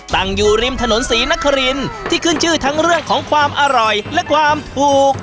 ตั้งอยู่ริมถนนศรีนครินที่ขึ้นชื่อทั้งเรื่องของความอร่อยและความถูก